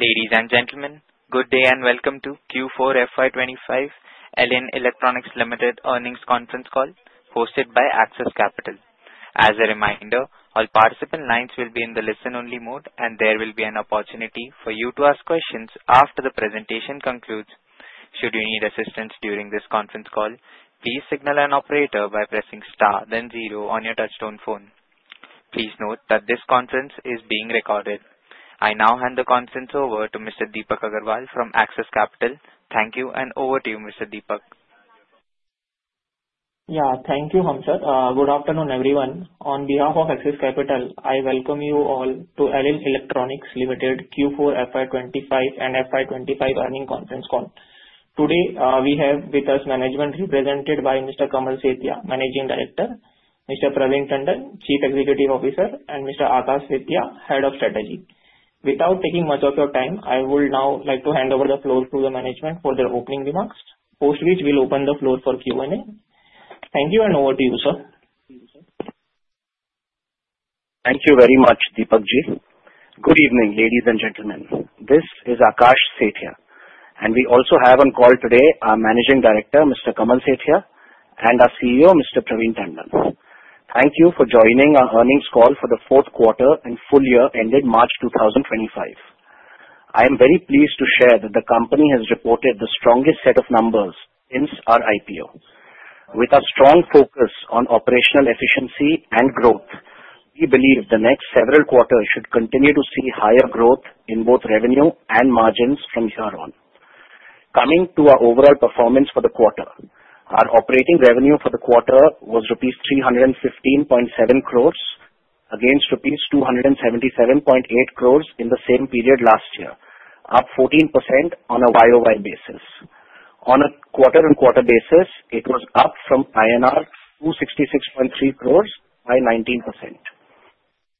Ladies and gentlemen, good day and welcome to Q4 FY25, Elin Electronics Limited Earnings Conference Call, hosted by Axis Capital. As a reminder, all participant lines will be in the listen-only mode, and there will be an opportunity for you to ask questions after the presentation concludes. Should you need assistance during this conference call, please signal an operator by pressing star, then zero on your touchtone phone. Please note that this conference is being recorded. I now hand the conference over to Mr. Deepak Agarwal from Axis Capital. Thank you, and over to you, Mr. Deepak. Yeah, thank you, Hamshad. Good afternoon, everyone. On behalf of Axis Capital, I welcome you all to Elin Electronics Limited Q4 FY25 and FY25 Earnings Conference Call. Today, we have with us management represented by Mr. Kamal Sethia, Managing Director, Mr. Praveen Tandon, Chief Executive Officer, and Mr. Akash Sethia, Head of Strategy. Without taking much of your time, I would now like to hand over the floor to the management for their opening remarks, post which we'll open the floor for Q&A. Thank you, and over to you, sir. Thank you very much, Deepak Ji Good evening, ladies and gentlemen. This is Akash Sethia, and we also have on call today our Managing Director, Mr. Kamal Sethia, and our CEO, Mr. Praveen Tandon. Thank you for joining our earnings call for the Q4 and full year ended March 2025. I am very pleased to share that the company has reported the strongest set of numbers since our IPO. With a strong focus on operational efficiency and growth, we believe the next several quarters should continue to see higher growth in both revenue and margins from here on. Coming to our overall performance for the quarter, our operating revenue for the quarter was rupees 315.7 crores against rupees 277.8 crores in the same period last year, up 14% on a YOY basis. On a quarter-on-quarter basis, it was up from INR 266.3 crores by 19%.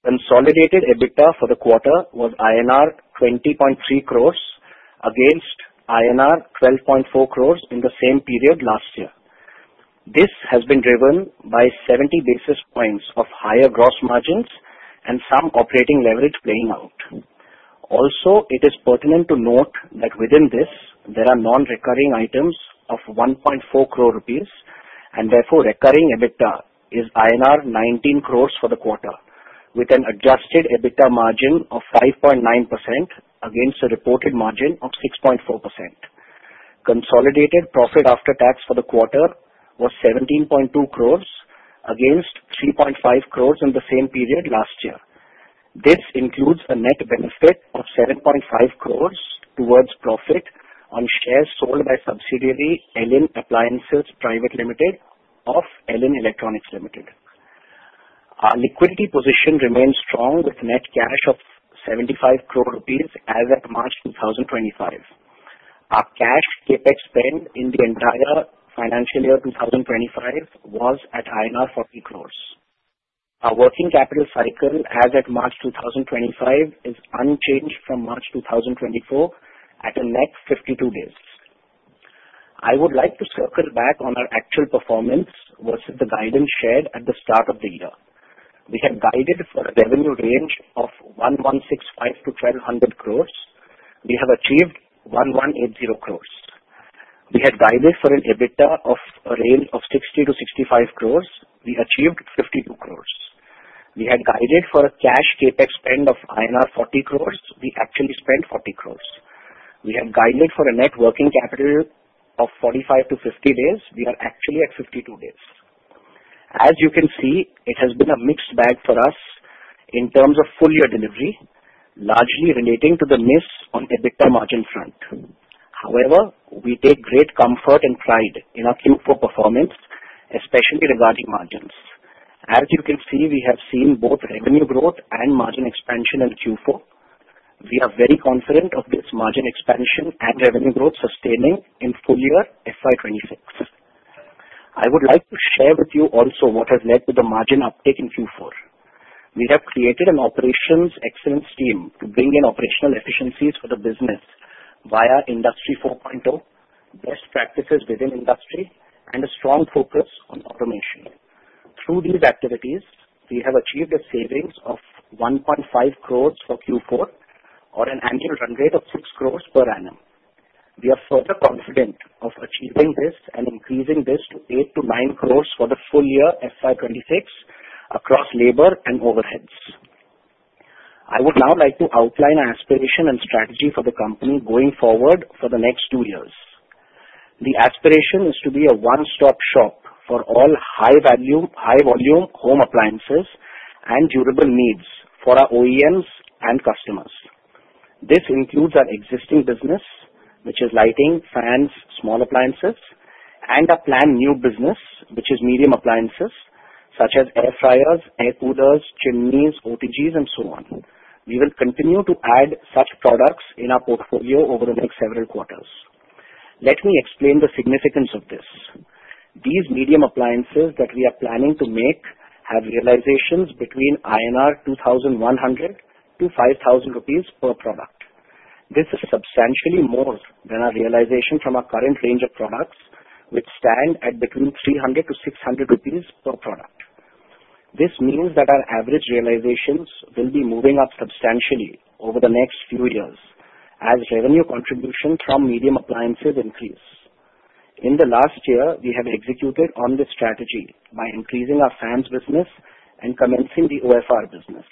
Consolidated EBITDA for the quarter was INR 20.3 crores against INR 12.4 crores in the same period last year. This has been driven by 70 basis points of higher gross margins and some operating leverage playing out. Also, it is pertinent to note that within this, there are non-recurring items of 1.4 crore rupees, and therefore recurring EBITDA is INR 19 crores for the quarter, with an adjusted EBITDA margin of 5.9% against a reported margin of 6.4%. Consolidated profit after tax for the quarter was 17.2 crores against 3.5 crores in the same period last year. This includes a net benefit of 7.5 crores towards profit on shares sold by subsidiary Elin Appliances Private Limited of Elin Electronics Limited. Our liquidity position remains strong with net cash of 75 crore rupees as at March 2025. Our cash CapEx spend in the entire financial year 2025 was at INR 40 crores. Our working capital cycle as at March 2025 is unchanged from March 2024 at a net 52 days. I would like to circle back on our actual performance versus the guidance shared at the start of the year. We had guided for a revenue range of 1165 to 1200 crores. We have achieved 1180 crores. We had guided for an EBITDA of a range of 60 to 65 crores. We achieved 52 crores. We had guided for a cash CapEx spend of INR 40 crores. We actually spent 40 crores. We have guided for a net working capital of 45 to 50 days. We are actually at 52 days. As you can see, it has been a mixed bag for us in terms of full year delivery, largely relating to the miss on EBITDA margin front. However, we take great comfort and pride in our Q4 performance, especially regarding margins. As you can see, we have seen both revenue growth and margin expansion in Q4. We are very confident of this margin expansion and revenue growth sustaining in full year FY26. I would like to share with you also what has led to the margin uptake in Q4. We have created an operations excellence team to bring in operational efficiencies for the business via Industry 4.0, best practices within industry, and a strong focus on automation. Through these activities, we have achieved a savings of 1.5 crores for Q4, or an annual run rate of 6 crores per annum. We are further confident of achieving this and increasing this to 8-9 crores for the full year FY26 across labor and overheads. I would now like to outline our aspiration and strategy for the company going forward for the next two years. The aspiration is to be a one-stop shop for all high-volume home appliances and durable needs for our OEMs and customers. This includes our existing business, which is lighting, fans, small appliances, and our planned new business, which is medium appliances, such as air fryers, air coolers, chimneys, OTGs, and so on. We will continue to add such products in our portfolio over the next several quarters. Let me explain the significance of this. These medium appliances that we are planning to make have realizations between INR 2,100 to 5,000 rupees per product. This is substantially more than our realization from our current range of products, which stand at between 300 to 600 rupees per product. This means that our average realizations will be moving up substantially over the next few years as revenue contributions from medium appliances increase. In the last year, we have executed on this strategy by increasing our fans business and commencing the OFR business.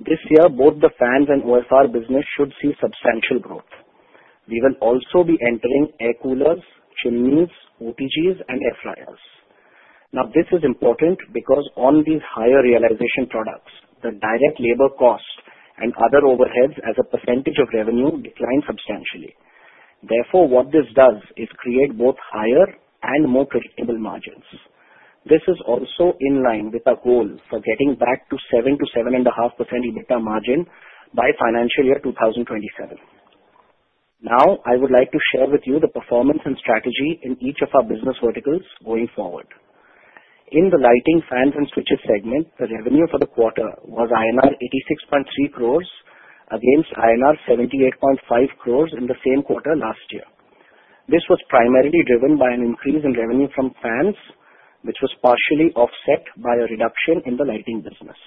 This year, both the fans and OFR business should see substantial growth. We will also be entering air coolers, chimneys, OTGs, and air fryers. Now, this is important because on these higher realization products, the direct labor cost and other overheads as a percentage of revenue decline substantially. Therefore, what this does is create both higher and more predictable margins. This is also in line with our goal for getting back to 7% to 7.5% EBITDA margin by financial year 2027. Now, I would like to share with you the performance and strategy in each of our business verticals going forward. In the lighting, fans, and switches segment, the revenue for the quarter was INR 86.3 crores against INR 78.5 crores in the same quarter last year. This was primarily driven by an increase in revenue from fans, which was partially offset by a reduction in the lighting business.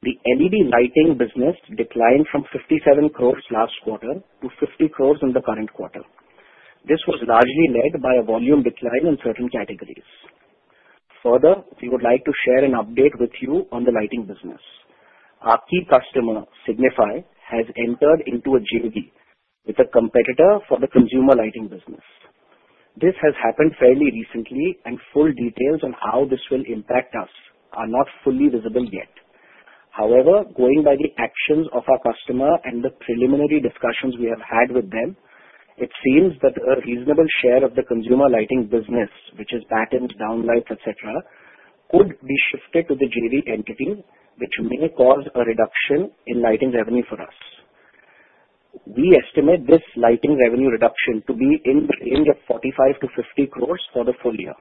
The LED lighting business declined from 57 crores last quarter to 50 crores in the current quarter. This was largely led by a volume decline in certain categories. Further, we would like to share an update with you on the lighting business. Our key customer, Signify, has entered into a JV with a competitor for the consumer lighting business. This has happened fairly recently, and full details on how this will impact us are not fully visible yet. However, going by the actions of our customer and the preliminary discussions we have had with them, it seems that a reasonable share of the consumer lighting business, which is panels, downlights, etc., could be shifted to the JV entity, which may cause a reduction in lighting revenue for us. We estimate this lighting revenue reduction to be in the range of 45 to 50 crores for the full year.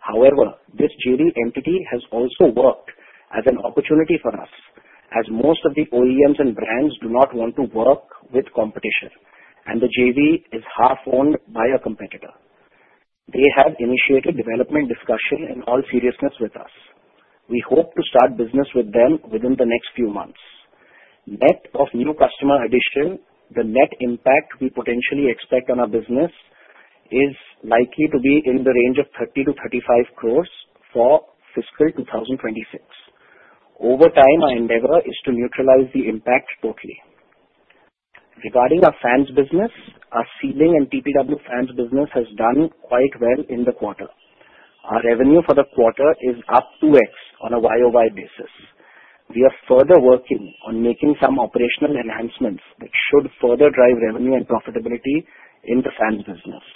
However, this JV entity has also worked as an opportunity for us, as most of the OEMs and brands do not want to work with competition, and the JV is half-owned by a competitor. They have initiated development discussion in all seriousness with us. We hope to start business with them within the next few months. Net of new customer addition, the net impact we potentially expect on our business is likely to be in the range of 30 to 35 crores for fiscal 2026. Over time, our endeavor is to neutralize the impact totally. Regarding our fans business, our ceiling and TPW fans business has done quite well in the quarter. Our revenue for the quarter is up 2x on a YOY basis. We are further working on making some operational enhancements that should further drive revenue and profitability in the fans business.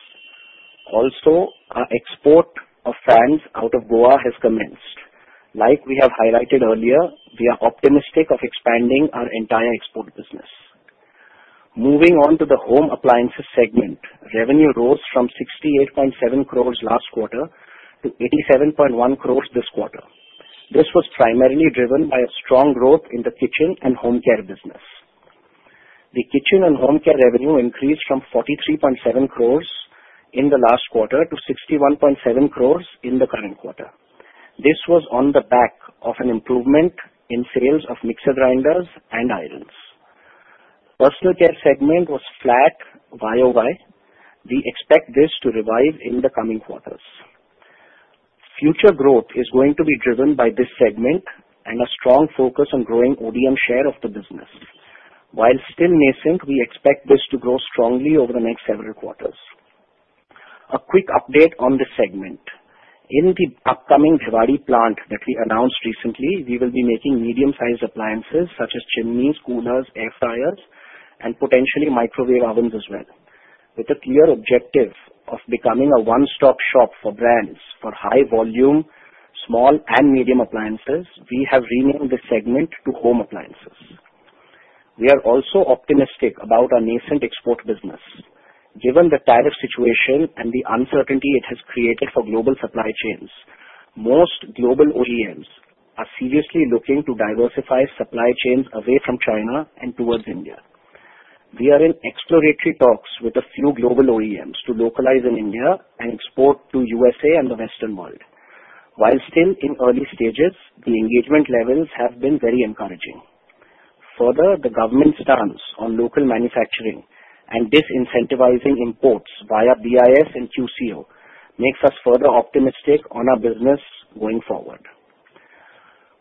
Also, our export of fans out of Goa has commenced. Like we have highlighted earlier, we are optimistic of expanding our entire export business. Moving on to the home appliances segment, revenue rose from 68.7 crores last quarter to 87.1 crores this quarter. This was primarily driven by a strong growth in the kitchen and home care business. The kitchen and home care revenue increased from 43.7 crores in the last quarter to 61.7 crores in the current quarter. This was on the back of an improvement in sales of mixer grinders and irons. Personal care segment was flat YOY. We expect this to revive in the coming quarters. Future growth is going to be driven by this segment and a strong focus on growing ODM share of the business. While still nascent, we expect this to grow strongly over the next several quarters. A quick update on this segment. In the upcoming Bhiwadi plant that we announced recently, we will be making medium-sized appliances such as chimneys, coolers, air fryers, and potentially microwave ovens as well. With a clear objective of becoming a one-stop shop for brands for high-volume, small, and medium appliances, we have renamed this segment to home appliances. We are also optimistic about our nascent export business. Given the tariff situation and the uncertainty it has created for global supply chains, most global OEMs are seriously looking to diversify supply chains away from China and towards India. We are in exploratory talks with a few global OEMs to localize in India and export to the USA and the Western world. While still in early stages, the engagement levels have been very encouraging. Further, the government's stance on local manufacturing and disincentivizing imports via BIS and QCO makes us further optimistic on our business going forward.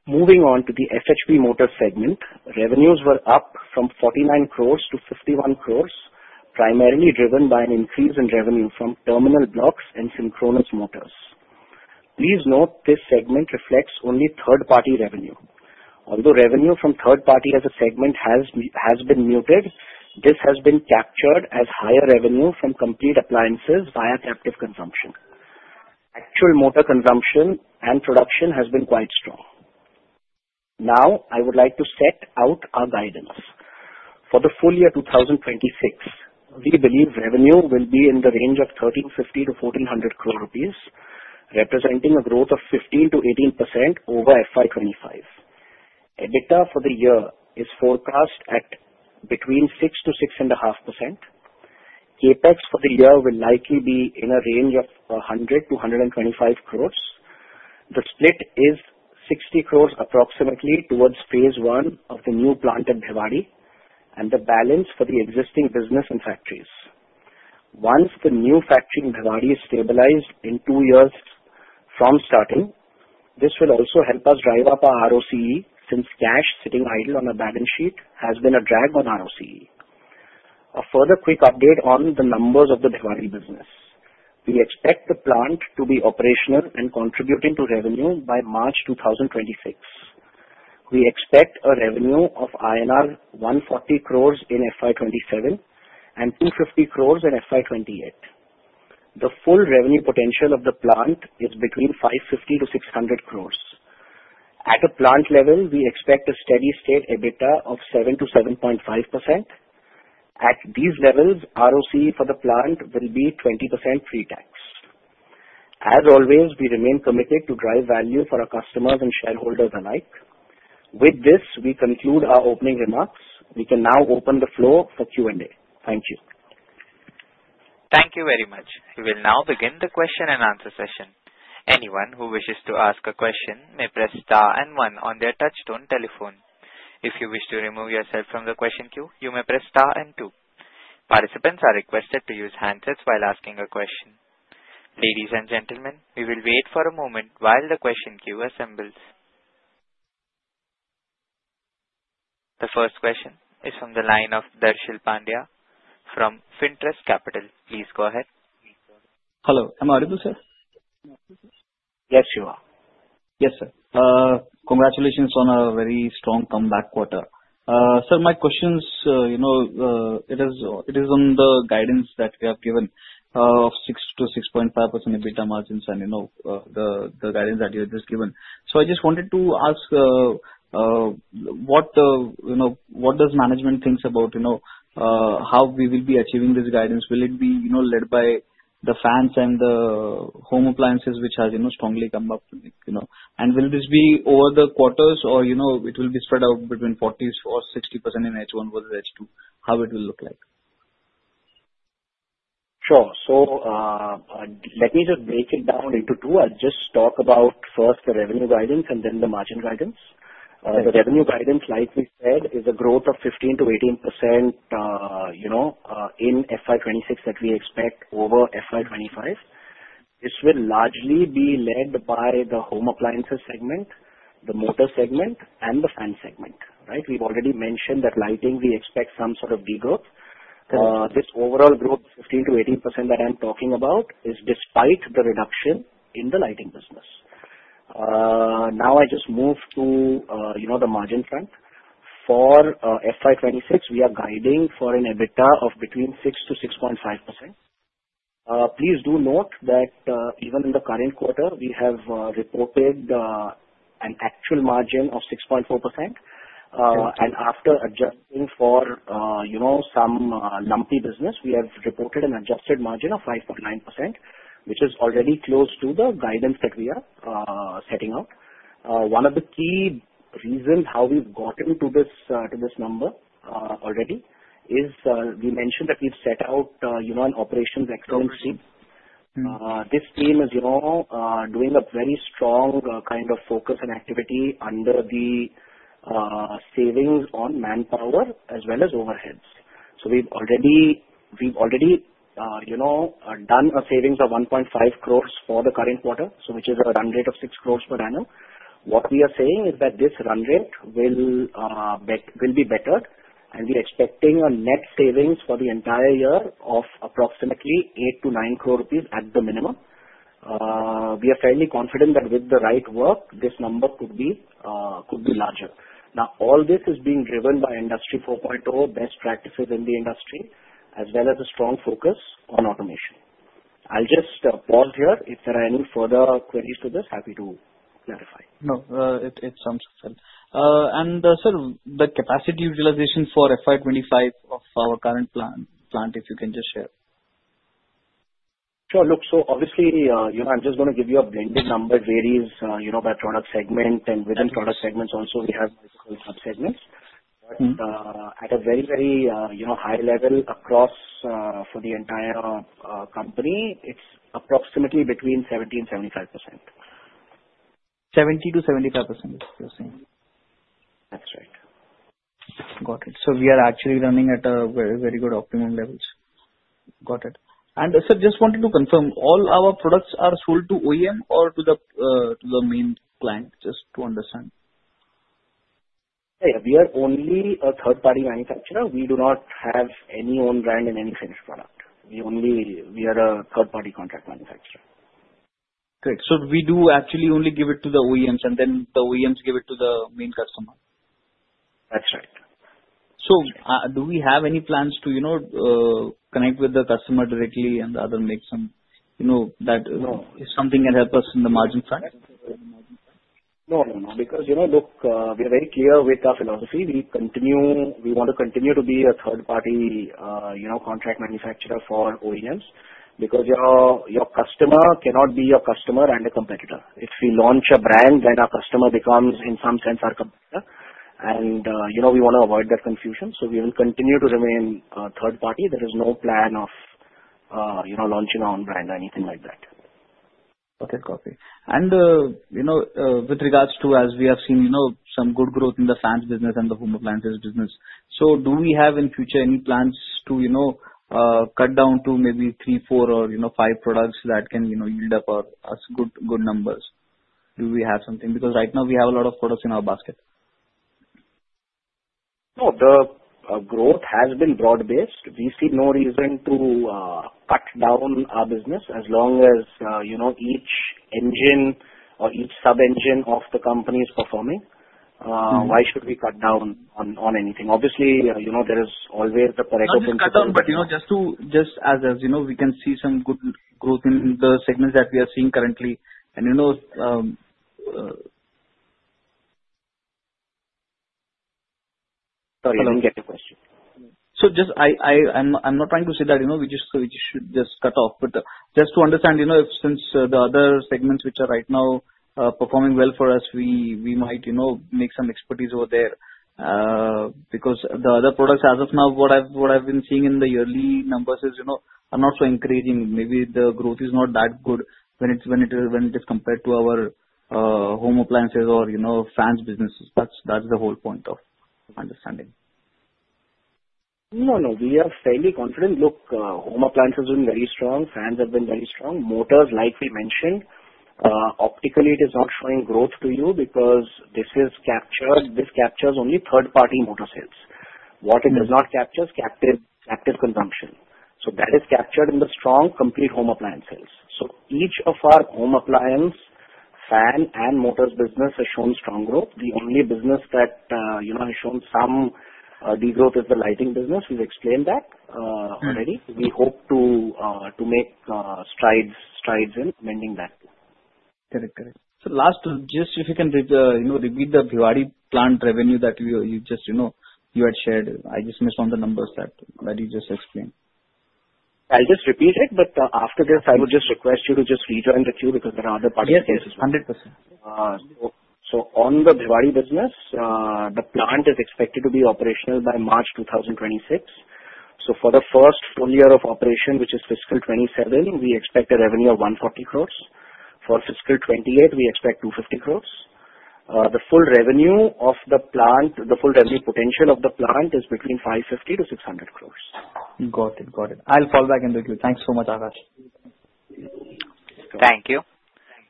Moving on to the FHP motor segment, revenues were up from 49 crores to 51 crores, primarily driven by an increase in revenue from terminal blocks and synchronous motors. Please note this segment reflects only third-party revenue. Although revenue from third-party as a segment has been muted, this has been captured as higher revenue from complete appliances via captive consumption. Actual motor consumption and production has been quite strong. Now, I would like to set out our guidance. For the full year 2026, we believe revenue will be in the range of 1,350 to 1,400 crores rupees, representing a growth of 15% to 18% over FY25. EBITDA for the year is forecast at between 6% to 6.5%. CapEx for the year will likely be in a range of 100 to 125 crores. The split is 60 crores approximately towards phase one of the new plant at Bhiwadi and the balance for the existing business and factories. Once the new factory in Bhiwadi is stabilized in two years from starting, this will also help us drive up our ROCE since cash sitting idle on a balance sheet has been a drag on ROCE. A further quick update on the numbers of the Bhiwadi business. We expect the plant to be operational and contributing to revenue by March 2026. We expect a revenue of INR 140 crores in FY27 and 250 crores in FY28. The full revenue potential of the plant is between 550 to 600 crores. At a plant level, we expect a steady-state EBITDA of 7% to 7.5%. At these levels, ROCE for the plant will be 20% pre-tax. As always, we remain committed to drive value for our customers and shareholders alike. With this, we conclude our opening remarks. We can now open the floor for Q&A. Thank you. Thank you very much. We will now begin the question and answer session. Anyone who wishes to ask a question may press star and one on their touch-tone telephone. If you wish to remove yourself from the question queue, you may press star and two. Participants are requested to use handsets while asking a question. Ladies and gentlemen, we will wait for a moment while the question queue assembles. The first question is from the line of Darshil Pandya from Finterest Capital. Please go ahead. Hello. Am I audible, sir? Yes, you are. Yes, sir. Congratulations on a very strong comeback quarter. Sir, my questions, you know, it is on the guidance that we have given of 6% to 6.5% EBITDA margins and, you know, the guidance that you have just given. So I just wanted to ask, what does management think about, you know, how we will be achieving this guidance? Will it be, you know, led by the fans and the home appliances, which are, you know, strongly come up? And will this be over the quarters, or, you know, it will be spread out between 40% or 60% in H1 versus H2? How will it look like? Sure. So let me just break it down into two. I'll just talk about first the revenue guidance and then the margin guidance. The revenue guidance, like we said, is a growth of 15% to 18%, you know, in FY26 that we expect over FY25. This will largely be led by the home appliances segment, the motor segment, and the fan segment, right? We've already mentioned that lighting, we expect some sort of degrowth. This overall growth, 15% to 18% that I'm talking about, is despite the reduction in the lighting business. Now I just move to, you know, the margin front. For FY26, we are guiding for an EBITDA of between 6% to 6.5%. Please do note that even in the current quarter, we have reported an actual margin of 6.4%. And after adjusting for, you know, some lumpy business, we have reported an adjusted margin of 5.9%, which is already close to the guidance that we are setting out. One of the key reasons how we've gotten to this number already is we mentioned that we've set out, you know, an operations excellence team. This team is, you know, doing a very strong kind of focus and activity under the savings on manpower as well as overheads. So we've already, you know, done a savings of 1.5 crores for the current quarter, which is a run rate of 6 crores per annum. What we are saying is that this run rate will be better, and we are expecting a net savings for the entire year of approximately 8 to 9 crores rupees at the minimum. We are fairly confident that with the right work, this number could be larger. Now, all this is being driven by Industry 4.0 best practices in the industry as well as a strong focus on automation. I'll just pause here. If there are any further queries to this, happy to clarify. No, it sounds good. And, sir, the capacity utilization for FY25 of our current plant, if you can just share. Sure. Look, so obviously, you know, I'm just going to give you a blended number. It varies, you know, by product segment, and within product segments also, we have multiple subsegments. But at a very, very, you know, high level across for the entire company, it's approximately between 70% and 75%. 70% to 75%, you're saying. That's right. Got it. So we are actually running at very, very good optimum levels. Got it. And, sir, just wanted to confirm, all our products are sold to OEM or to the main plant? Just to understand. We are only a third-party manufacturer. We do not have any own brand in any finished product. We are a third-party contract manufacturer. Great. So we do actually only give it to the OEMs, and then the OEMs give it to the main customer. That's right. So do we have any plans to, you know, connect with the customer directly and rather make some, you know, that if something can help us in the margin front? No, no, no. Because, you know, look, we are very clear with our philosophy. We want to continue to be a third-party, you know, contract manufacturer for OEMs because your customer cannot be your customer and a competitor. If we launch a brand, then our customer becomes, in some sense, our competitor. And, you know, we want to avoid that confusion. So we will continue to remain third-party. There is no plan of, you know, launching our own brand or anything like that. Okay. Copy. And, you know, with regards to, as we have seen, you know, some good growth in the fans business and the home appliances business, so do we have in future any plans to, you know, cut down to maybe three, four, or, you know, five products that can, you know, yield up our good numbers? Do we have something? Because right now, we have a lot of products in our basket. No, the growth has been broad-based. We see no reason to cut down our business as long as, you know, each engine or each sub-engine of the company is performing. Why should we cut down on anything? Obviously, you know, there is always the area of interest. We can cut down, but, you know, just as, you know, we can see some good growth in the segments that we are seeing currently. And, you know. Sorry, I didn't get your question. So just, I'm not trying to say that, you know, we just should just cut off. But just to understand, you know, since the other segments, which are right now performing well for us, we might, you know, make some expertise over there. Because the other products, as of now, what I've been seeing in the yearly numbers is, you know, are not so encouraging. Maybe the growth is not that good when it is compared to our home appliances or, you know, fans businesses. That's the whole point of understanding. No, no. We are fairly confident. Look, home appliances have been very strong. Fans have been very strong. Motors, like we mentioned, optically, it is not showing growth to you because this captures only third-party motor sales. What it does not capture is captive consumption. So that is captured in the strong, complete home appliances. So each of our home appliance, fan, and motors business has shown strong growth. The only business that, you know, has shown some degrowth is the lighting business. We've explained that already. We hope to make strides in mending that. Correct, correct. So last, just if you can repeat the Bhiwadi plant revenue that you just, you know, you had shared. I just missed on the numbers that you just explained. I'll just repeat it, but after this, I would just request you to just rejoin the queue because there are other participants. Yes, 100%. So on the Bhiwadi business, the plant is expected to be operational by March 2026. So for the first full year of operation, which is fiscal 2027, we expect a revenue of 140 crores. For fiscal 2028, we expect 250 crores. The full revenue of the plant, the full revenue potential of the plant is between 550 to 600 crores. Got it, got it. I'll fall back into the queue. Thanks so much, Akash. Thank you.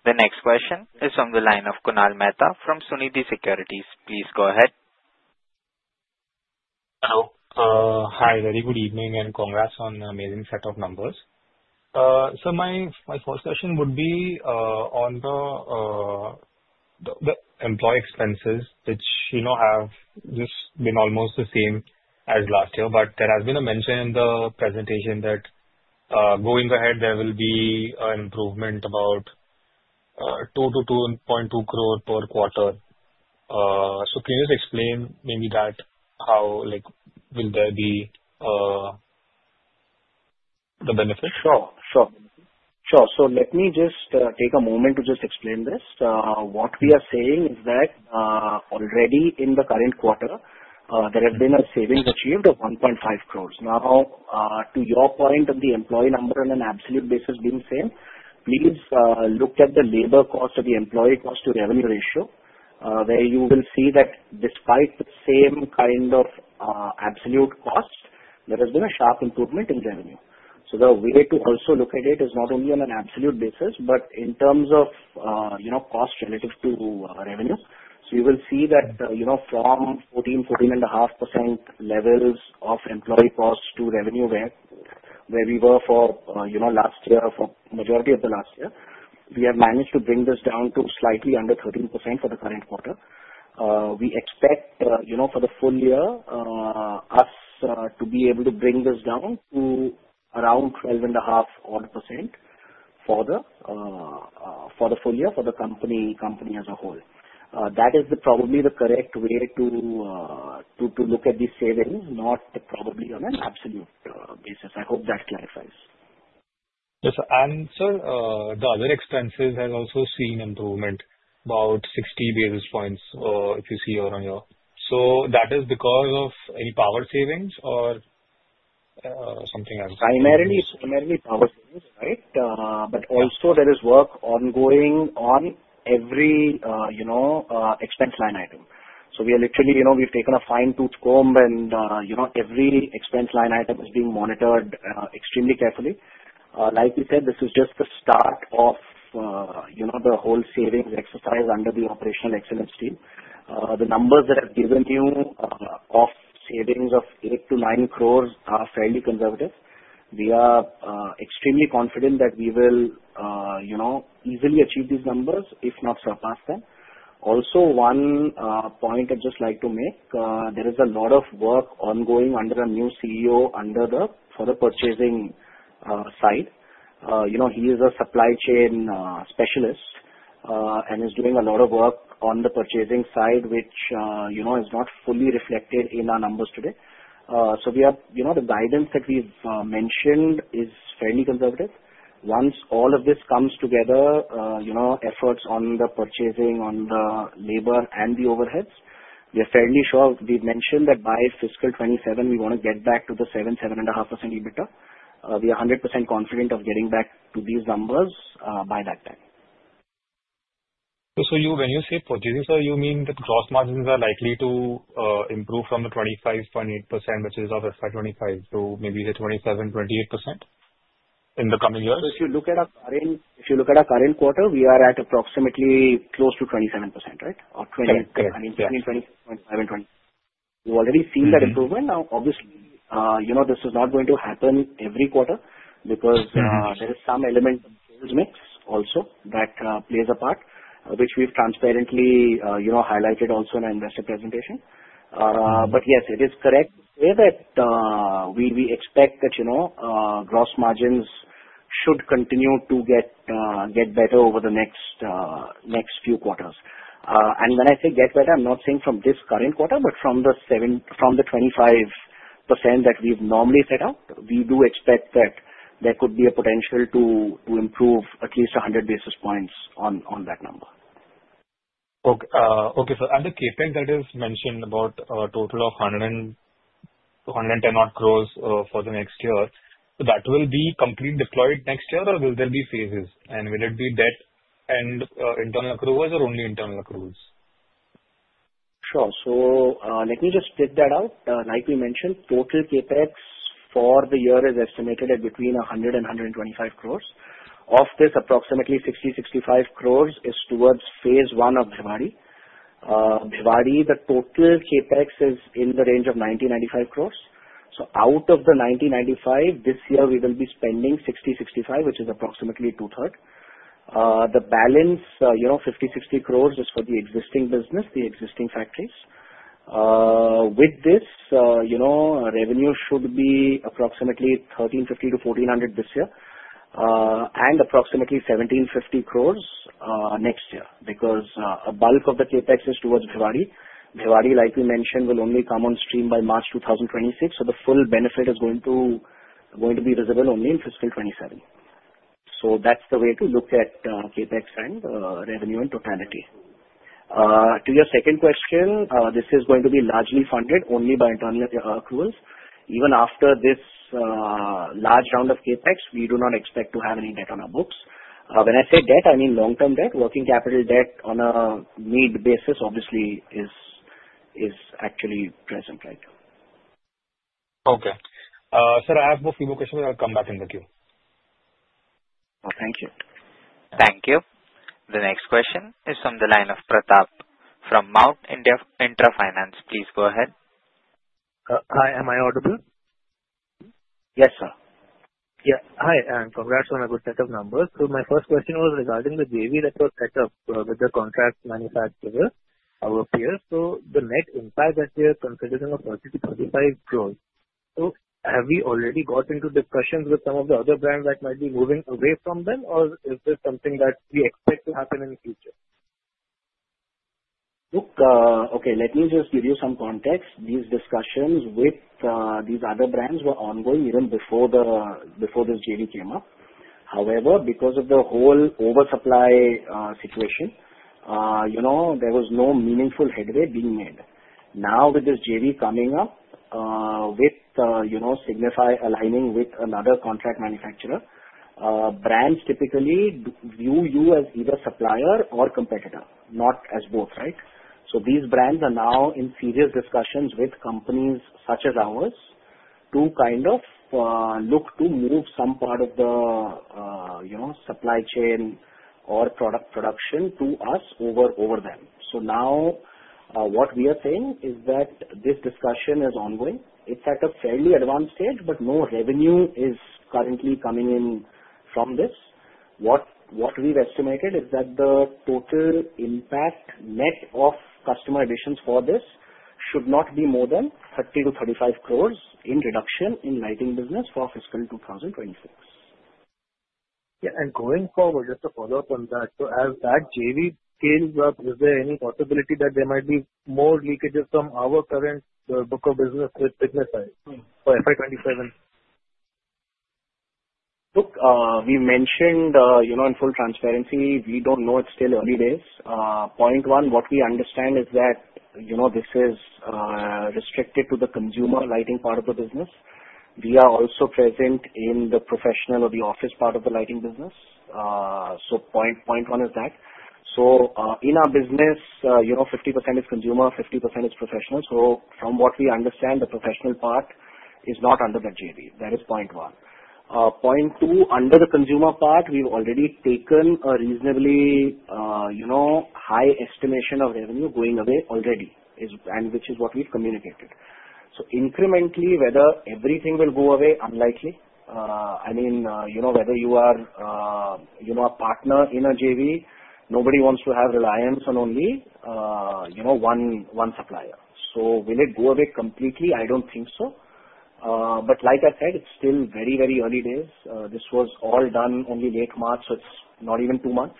The next question is from the line of Kunal Mehta from Sunidhi Securities. Please go ahead. Hello. Hi, very good evening and congrats on the amazing set of numbers. So my first question would be on the employee expenses, which, you know, have just been almost the same as last year, but there has been a mention in the presentation that going ahead, there will be an improvement about 2 to 2.2 crore per quarter. So can you just explain maybe that how, like, will there be the benefit? Sure, sure. Sure. So let me just take a moment to just explain this. What we are saying is that already in the current quarter, there have been savings achieved of 1.5 crores. Now, to your point of the employee number on an absolute basis being the same, please look at the labor cost of the employee cost to revenue ratio, where you will see that despite the same kind of absolute cost, there has been a sharp improvement in revenue. So the way to also look at it is not only on an absolute basis, but in terms of, you know, cost relative to revenue. So you will see that, you know, from 14% to 14.5% levels of employee cost to revenue where we were for, you know, last year, for the majority of the last year, we have managed to bring this down to slightly under 13% for the current quarter. We expect, you know, for the full year, us to be able to bring this down to around 12.5% or 1% for the full year for the company as a whole. That is probably the correct way to look at these savings, not probably on an absolute basis. I hope that clarifies.. Yes. And, sir, the other expenses have also seen improvement, about 60 basis points, if you see or on your. So that is because of any power savings or something else? Primarily power savings, right? But also, there is work ongoing on every, you know, expense line item. So we are literally, you know, we've taken a fine-toothed comb and, you know, every expense line item is being monitored extremely carefully. Like we said, this is just the start of, you know, the whole savings exercise under the operational excellence team. The numbers that I've given you of savings of 8 to 9 crores are fairly conservative. We are extremely confident that we will, you know, easily achieve these numbers, if not surpass them. Also, one point I'd just like to make, there is a lot of work ongoing under a new CEO for the purchasing side. You know, he is a supply chain specialist and is doing a lot of work on the purchasing side, which, you know, is not fully reflected in our numbers today. So we have, you know, the guidance that we've mentioned is fairly conservative. Once all of this comes together, you know, efforts on the purchasing, on the labor, and the overheads, we are fairly sure. We've mentioned that by fiscal 27, we want to get back to the 7% to 7.5% EBITDA. We are 100% confident of getting back to these numbers by that time. So when you say purchases, sir, you mean that gross margins are likely to improve from the 25% to 28%, which is of FY25 to maybe the 27% to 28% in the coming years? So if you look at our current quarter, we are at approximately close to 27%, right? Or 20%, I mean, between 25% and 20%. We've already seen that improvement. Now, obviously, you know, this is not going to happen every quarter because there is some element of sales mix also that plays a part, which we've transparently, you know, highlighted also in our investor presentation. But yes, it is correct to say that we expect that, you know, gross margins should continue to get better over the next few quarters. When I say get better, I'm not saying from this current quarter, but from the 25% that we've normally set out, we do expect that there could be a potential to improve at least 100 basis points on that number. Okay, sir. And the CapEx that is mentioned about a total of 110 crores for the next year, that will be completely deployed next year, or will there be phases? And will it be debt and internal accruals or only internal accruals? Sure. So let me just split that out. Like we mentioned, total CapEx for the year is estimated at between 100 and 125 crores. Of this, approximately 60 to 65 crores is towards phase one of Bhiwadi. Bhiwadi, the total CapEx is in the range of 90 to 95 crores. So out of the 90 to 95, this year, we will be spending 60 to 65, which is approximately two-thirds. The balance, you know, 50 to 60 crores is for the existing business, the existing factories. With this, you know, revenue should be approximately 1,350 to 1,400 this year and approximately 1,750 crores next year because a bulk of the CapEx is towards Bhiwadi. Bhiwadi, like we mentioned, will only come on stream by March 2026. So the full benefit is going to be visible only in fiscal 2027. So that's the way to look at CapEx and revenue in totality. To your second question, this is going to be largely funded only by internal accruals. Even after this large round of CapEx, we do not expect to have any debt on our books. When I say debt, I mean long-term debt. Working capital debt on a need basis, obviously, is actually present right now. Okay. Sir, I have a few more questions. I'll come back in the queue. Thank you. Thank you. The next question is from the line of Pratap from Mount Intra Finance. Please go ahead. Hi. Am I audible? Yes, sir. Yeah. Hi. And congrats on a good set of numbers. So my first question was regarding the JV that was set up with the contract manufacturer, our peers. So the net impact that we are considering of 30 to 35 crores. So have we already got into discussions with some of the other brands that might be moving away from them, or is this something that we expect to happen in the future? Look, okay, let me just give you some context. These discussions with these other brands were ongoing even before this JV came up. However, because of the whole oversupply situation, you know, there was no meaningful headway being made. Now, with this JV coming up with, you know, Signify aligning with another contract manufacturer, brands typically view you as either supplier or competitor, not as both, right? So these brands are now in serious discussions with companies such as ours to kind of look to move some part of the, you know, supply chain or product production to us over them. So now what we are saying is that this discussion is ongoing. It's at a fairly advanced stage, but no revenue is currently coming in from this. What we've estimated is that the total impact net of customer additions for this should not be more than 30 to 35 crores in reduction in lighting business for fiscal 2026. Yeah. And going forward, just to follow up on that, so as that JV scales up, is there any possibility that there might be more leakages from our current book of business with Signify for FY27? Look, we mentioned, you know, in full transparency, we don't know. It's still early days. Point one, what we understand is that, you know, this is restricted to the consumer lighting part of the business. We are also present in the professional or the office part of the lighting business. So point one is that. So in our business, you know, 50% is consumer, 50% is professional. So from what we understand, the professional part is not under that JV. That is point one. Point two, under the consumer part, we've already taken a reasonably, you know, high estimation of revenue going away already, which is what we've communicated. So incrementally, whether everything will go away—unlikely. I mean, you know, whether you are, you know, a partner in a JV, nobody wants to have reliance on only, you know, one supplier. So will it go away completely? I don't think so. But like I said, it's still very, very early days. This was all done only late March, so it's not even two months.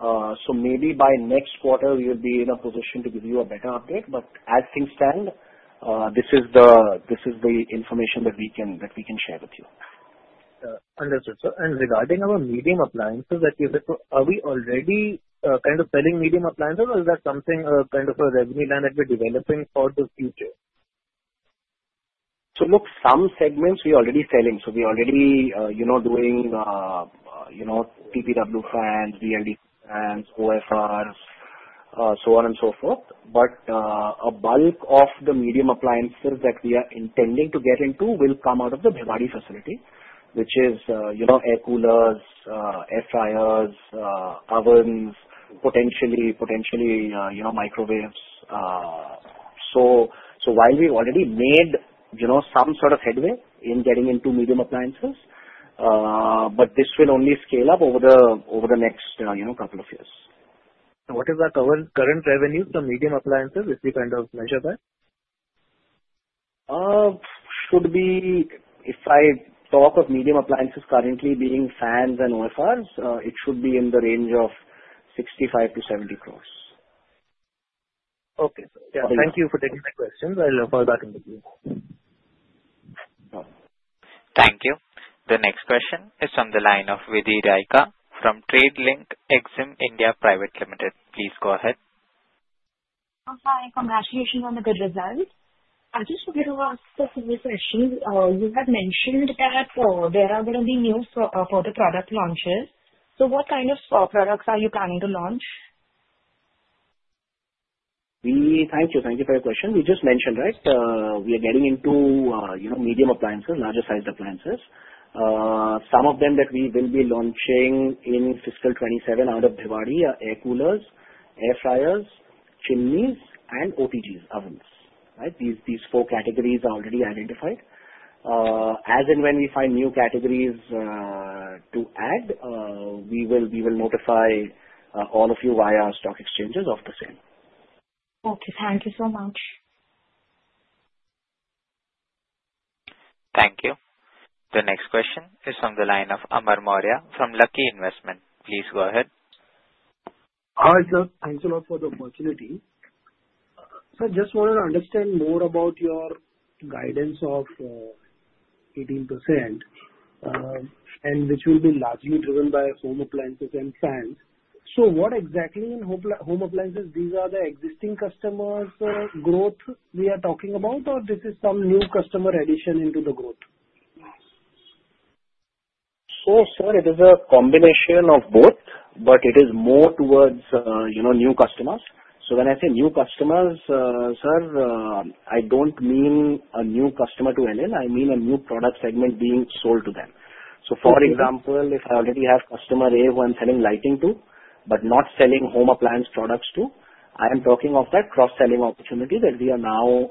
So maybe by next quarter, we will be in a position to give you a better update. But as things stand, this is the information that we can share with you. Understood, sir. And regarding our medium appliances that you said, so are we already kind of selling medium appliances, or is that something kind of a revenue line that we're developing for the future? So look, some segments we are already selling. So we are already, you know, doing, you know, TPW fans, BLDC fans, OFRs, so on and so forth. But a bulk of the medium appliances that we are intending to get into will come out of the Bhiwadi facility, which is, you know, air coolers, air fryers, ovens, potentially, you know, microwaves. So while we've already made, you know, some sort of headway in getting into medium appliances, but this will only scale up over the next, you know, couple of years. What is our current revenue for medium appliances? Is it kind of measured by? Should be, if I talk of medium appliances currently being fans and OFRs, it should be in the range of 65 to 70 crores. Okay. Thank you for taking my questions. I'll follow back in the queue. Thank you. The next question is from the line of Vidhi Raika from Tradelink Exim India Private Limited. Please go ahead. Hi. Congratulations on the good results. I just wanted to ask a few questions. You had mentioned that there are going to be news for the product launches. So what kind of products are you planning to launch? Thank you. Thank you for your question. We just mentioned, right, we are getting into, you know, medium appliances, larger sized appliances. Some of them that we will be launching in fiscal 2027 out of Bhiwadi are air coolers, air fryers, chimneys, and OTG ovens, right? These four categories are already identified. As in when we find new categories to add, we will notify all of you via our stock exchanges of the same. Okay. Thank you so much. Thank you. The next question is from the line of Amar Mourya from Lucky Investment. Please go ahead. Hi, sir. Thanks a lot for the opportunity. Sir, I just wanted to understand more about your guidance of 18% and which will be largely driven by home appliances and fans. So what exactly in home appliances? These are the existing customers' growth we are talking about, or this is some new customer addition into the growth? So, sir, it is a combination of both, but it is more towards, you know, new customers. So when I say new customers, sir, I don't mean a new customer to Elin. I mean a new product segment being sold to them. So, for example, if I already have customer A who I'm selling lighting to, but not selling home appliance products to, I am talking of that cross-selling opportunity that we are now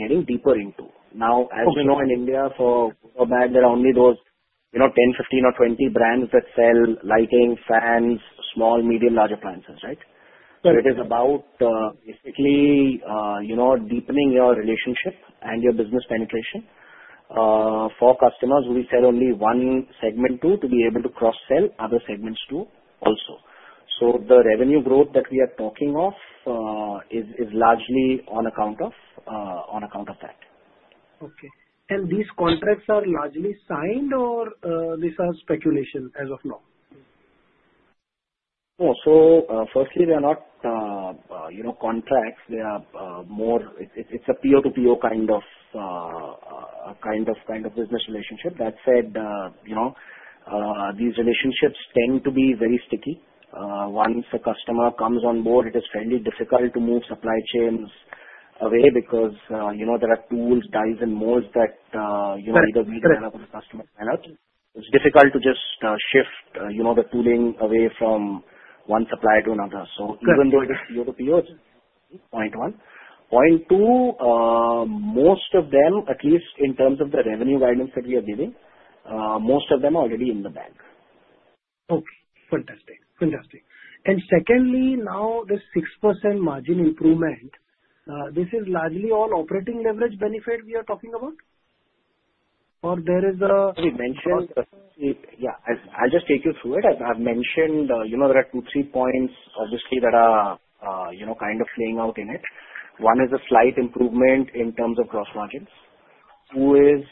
getting deeper into. Now, as we know in India, for a buck, there are only those, you know, 10, 15, or 20 brands that sell lighting, fans, small, medium, large appliances, right? So it is about basically, you know, deepening your relationship and your business penetration for customers who we sell only one segment to, to be able to cross-sell other segments to also. So the revenue growth that we are talking of is largely on account of that. Okay. And these contracts are largely signed, or these are speculation as of now? No. So firstly, they are not, you know, contracts. They are more. It's a peer-to-peer kind of business relationship. That said, you know, these relationships tend to be very sticky. Once a customer comes on board, it is fairly difficult to move supply chains away because, you know, there are tools, dies, and molds that, you know, either we develop or the customer develops. It's difficult to just shift, you know, the tooling away from one supplier to another. So even though it is peer-to-peer, point one. Point two, most of them, at least in terms of the revenue guidance that we are giving, most of them are already in the bank. Okay. Fantastic. Fantastic. And secondly, now this 6% margin improvement, this is largely all operating leverage benefit we are talking about? Or there is a. We mentioned. Yeah. I'll just take you through it. I've mentioned, you know, there are two, three points obviously that are, you know, kind of playing out in it. One is a slight improvement in terms of gross margins. Two is,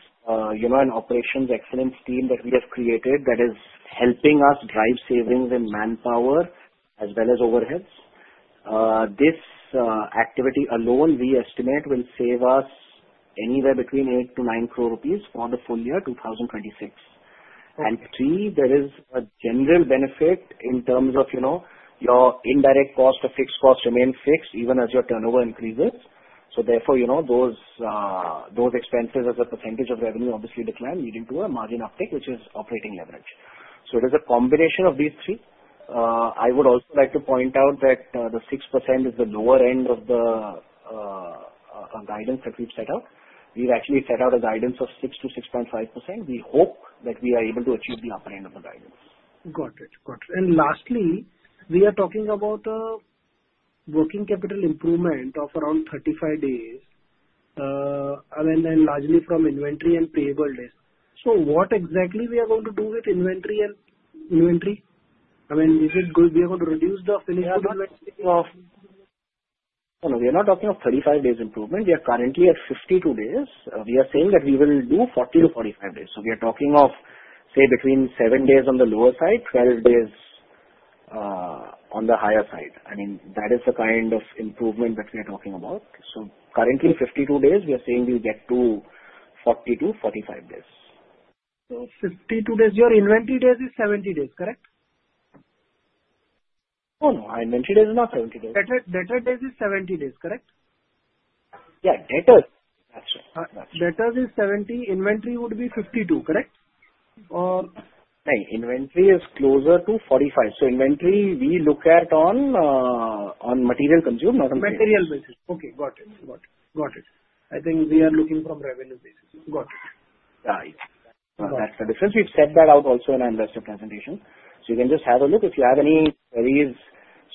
you know, an operations excellence team that we have created that is helping us drive savings in manpower as well as overheads. This activity alone, we estimate, will save us anywhere between 8 to 9 crore rupees for the full year 2026. And three, there is a general benefit in terms of, you know, your indirect cost or fixed cost remain fixed even as your turnover increases. So therefore, you know, those expenses as a percentage of revenue obviously decline, leading to a margin uptake, which is operating leverage. So it is a combination of these three. I would also like to point out that the 6% is the lower end of the guidance that we've set out. We've actually set out a guidance of 6% to 6.5%. We hope that we are able to achieve the upper end of the guidance. Got it. Got it. Lastly, we are talking about a working capital improvement of around 35 days, and then largely from inventory and payables. So what exactly we are going to do with inventory and payables? I mean, is it good we are going to reduce the finished goods inventory of? No, no. We are not talking of 35 days improvement. We are currently at 52 days. We are saying that we will do 40 to 45 days. So we are talking of, say, between seven days on the lower side, 12 days on the higher side. I mean, that is the kind of improvement that we are talking about. So currently, 52 days, we are saying we'll get to 40 to 45 days. So 52 days, your inventory days is 70 days, correct? No, no. Our inventory days are not 70 days. Debtor days is 70 days, correct? Yeah. Debtor. That's right. That's right. Better is 70. Inventory would be 52, correct? Or... No, inventory is closer to 45. So inventory we look at on material consumed, not on... material basis. Okay. Got it. Got it. Got it. I think we are looking from revenue basis. Got it. Yeah. That's the difference. We've set that out also in our investor presentation. So you can just have a look. If you have any queries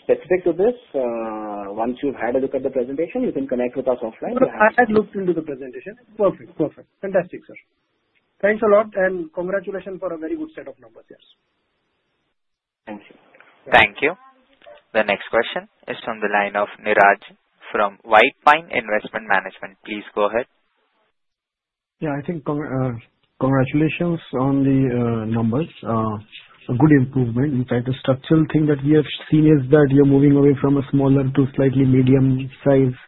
specific to this, once you've had a look at the presentation, you can connect with us offline. I have looked into the presentation. Perfect. Perfect. Fantastic, sir. Thanks a lot, and congratulations for a very good set of numbers. Yes. Thank you. Thank you. The next question is from the line of Niraj from White Pine Investment Management. Please go ahead. Yeah. I think congratulations on the numbers. A good improvement. In fact, the structural thing that we have seen is that you're moving away from a smaller to slightly medium-sized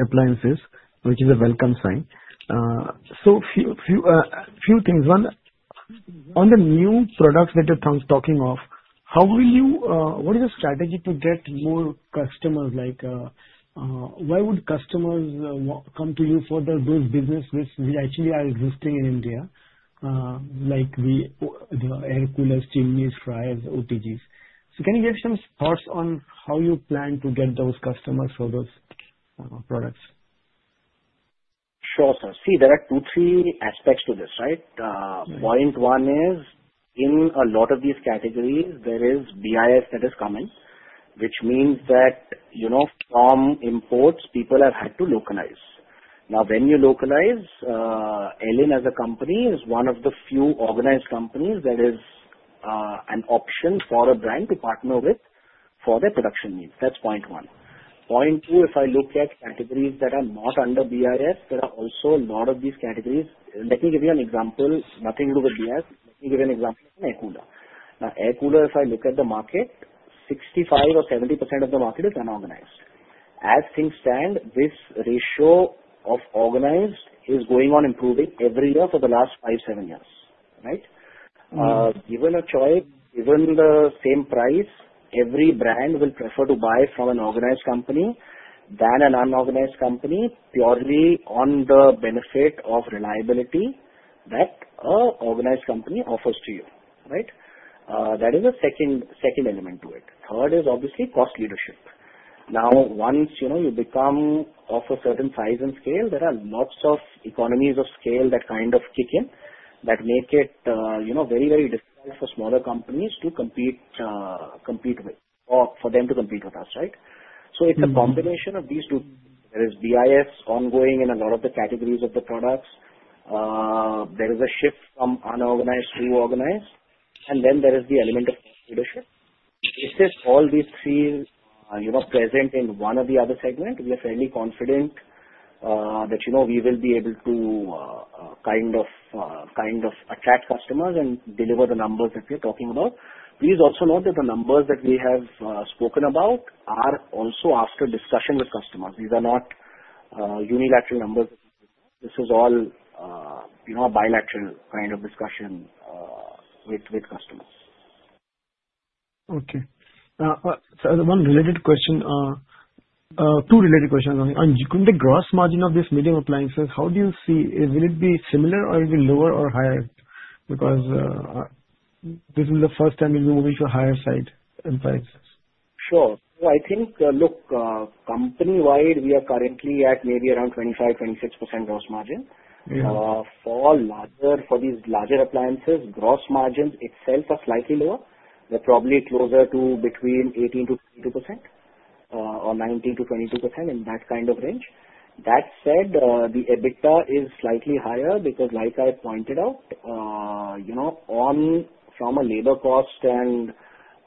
appliances, which is a welcome sign. So a few things. One, on the new products that you're talking of, how will you—what is the strategy to get more customers? Like, why would customers come to you for those businesses which actually are existing in India, like the air coolers, chimneys, fryers, OTGs? So can you give some thoughts on how you plan to get those customers for those products? Sure, sir. See, there are two, three aspects to this, right? Point one is, in a lot of these categories, there is BIS that is coming, which means that, you know, from imports, people have had to localize. Now, when you localize, Elin as a company is one of the few organized companies that is an option for a brand to partner with for their production needs. That's point one. Point two, if I look at categories that are not under BIS, there are also a lot of these categories. Let me give you an example. Nothing to do with BIS. Let me give you an example of an air cooler. Now, air cooler, if I look at the market, 65% or 70% of the market is unorganized. As things stand, this ratio of organized is going on improving every year for the last five, seven years, right? Given a choice, given the same price, every brand will prefer to buy from an organized company than an unorganized company, purely on the benefit of reliability that an organized company offers to you, right? That is the second element to it. Third is obviously cost leadership. Now, once, you know, you become of a certain size and scale, there are lots of economies of scale that kind of kick in that make it, you know, very, very difficult for smaller companies to compete with or for them to compete with us, right? So it's a combination of these two. There is BIS ongoing in a lot of the categories of the products. There is a shift from unorganized to organized. And then there is the element of cost leadership. If all these three are present in one or the other segment, we are fairly confident that, you know, we will be able to kind of attract customers and deliver the numbers that we are talking about. Please also note that the numbers that we have spoken about are also after discussion with customers. These are not unilateral numbers. This is all, you know, a bilateral kind of discussion with customers. Okay. So one related question, two related questions. On the gross margin of these medium appliances, how do you see it? Will it be similar or will it be lower or higher? Because this is the first time we'll be moving to a higher side in appliances. Sure. So I think, look, company-wide, we are currently at maybe around 25% to 26% gross margin. For these larger appliances, gross margins itself are slightly lower. They're probably closer to between 18% to 22% or 19% to 22% in that kind of range. That said, the EBITDA is slightly higher because, like I pointed out, you know, from a labor cost and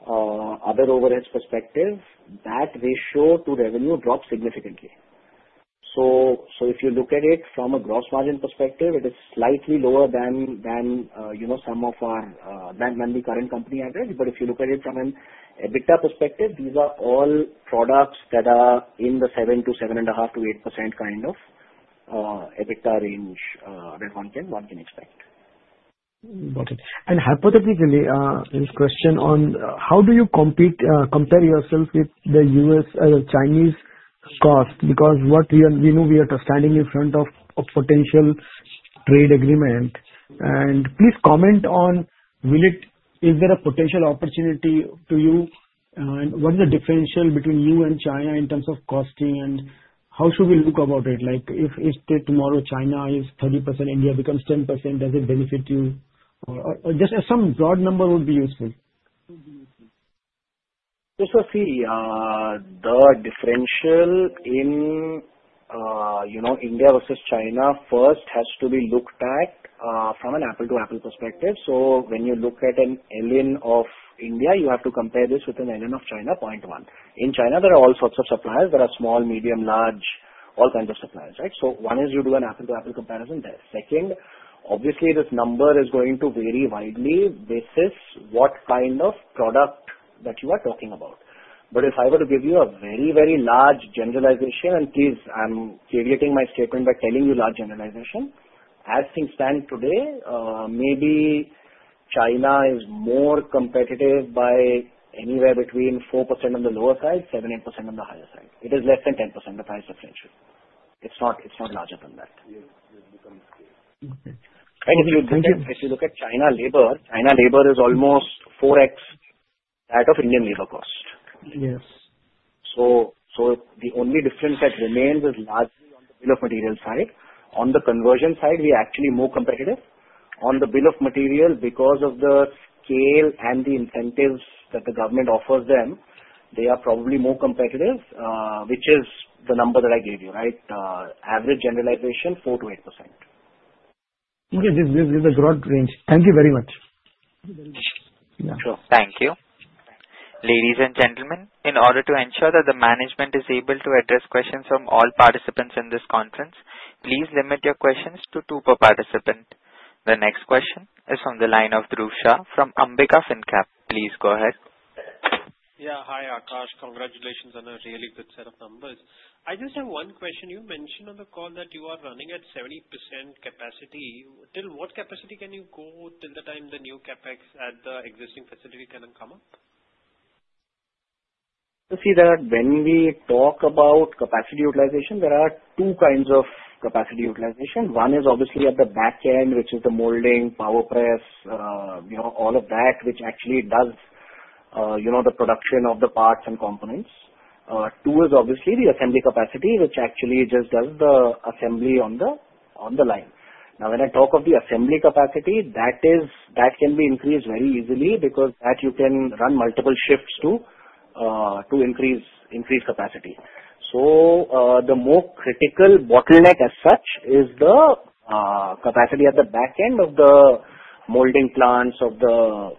other overhead perspective, that ratio to revenue drops significantly. So if you look at it from a gross margin perspective, it is slightly lower than, you know, some of ours than the current company average. But if you look at it from an EBITDA perspective, these are all products that are in the 7% to 7.5% to 8% kind of EBITDA range that one can expect. Got it. And hypothetically, this question on how do you compare yourself with the US and the Chinese cost? Because we know we are standing in front of a potential trade agreement. And please comment on, is there a potential opportunity to you? What is the differential between you and China in terms of costing? And how should we look about it? Like, if tomorrow China is 30%, India becomes 10%, does it benefit you? Just some broad number would be useful. It's a fee. The differential in, you know, India versus China first has to be looked at from an apples-to-apples perspective. So when you look at an LL of India, you have to compare this with an LL of China. Point one. In China, there are all sorts of suppliers. There are small, medium, large, all kinds of suppliers, right? So one is you do an apples-to-apples comparison. Second, obviously, this number is going to vary widely basis what kind of product that you are talking about. But if I were to give you a very, very large generalization, and please, I'm deviating my statement by telling you large generalization, as things stand today, maybe China is more competitive by anywhere between 4% on the lower side, 7, 8% on the higher side. It is less than 10% price differential. It's not larger than that. And if you look at China labor, China labor is almost 4x that of Indian labor cost. Yes. So the only difference that remains is largely on the bill of material side. On the conversion side, we are actually more competitive. On the bill of material, because of the scale and the incentives that the government offers them, they are probably more competitive, which is the number that I gave you, right? Average generalization, 4% to 8%. Okay. This is a broad range. Thank you very much. Thank you very much. Sure. Thank you. Ladies and gentlemen, in order to ensure that the management is able to address questions from all participants in this conference, please limit your questions to two per participant. The next question is from the line of Dhruv Shah from Ambika Fincap. Please go ahead. Yeah. Hi, Akash. Congratulations on a really good set of numbers. I just have one question. You mentioned on the call that you are running at 70% capacity. Till what capacity can you go till the time the new CapEx at the existing facility can come up? See, when we talk about capacity utilization, there are two kinds of capacity utilization. One is obviously at the back end, which is the molding, power press, you know, all of that, which actually does, you know, the production of the parts and components. Two is obviously the assembly capacity, which actually just does the assembly on the line. Now, when I talk of the assembly capacity, that can be increased very easily because that you can run multiple shifts to increase capacity. So the more critical bottleneck as such is the capacity at the back end of the molding plants, of the